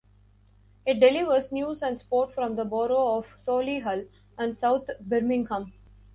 It delivers news and sport from the borough of Solihull and south Birmingham.